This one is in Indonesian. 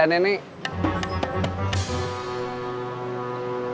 gak ada bedanya nih